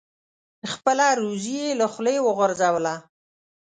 خپله روزي یې له خولې وغورځوله.